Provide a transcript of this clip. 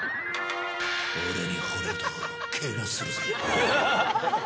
俺にほれると、けがするぜ！